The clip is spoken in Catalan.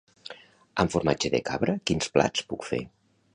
Amb formatge de cabra quins plats puc fer?